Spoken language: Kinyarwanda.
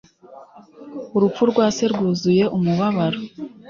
Urupfu rwa se rwuzuye umubabaro.